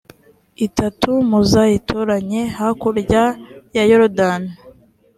itatu muzayitoranye hakurya ya yorudani